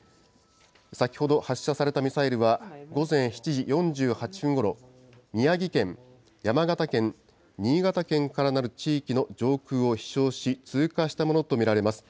先ほど発射されたミサイルは、午前７時４８分ごろ、宮城県、山形県、新潟県からなる地域の上空を飛しょうし、通過したものと見られます。